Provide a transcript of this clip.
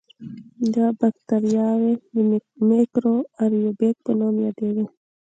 دا بکټریاوې د میکرو آئیروبیک په نوم یادیږي.